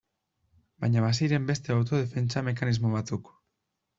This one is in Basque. Baina baziren beste autodefentsa mekanismo batzuk.